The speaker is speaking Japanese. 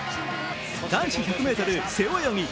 男子１００ｍ背泳ぎ。